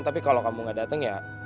tapi kalau kamu nggak dateng ya